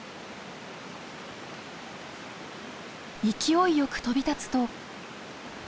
勢いよく飛び立つと。